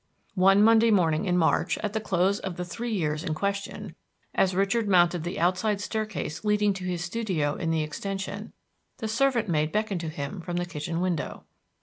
One Monday morning in March, at the close of the three years in question, as Richard mounted the outside staircase leading to his studio in the extension, the servant maid beckoned to him from the kitchen window.